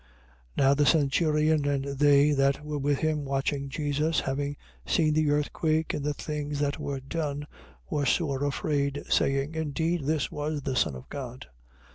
27:54. Now the centurion and they that were with him watching Jesus, having seen the earthquake and the things that were done, were sore afraid, saying: Indeed this was the Son of God.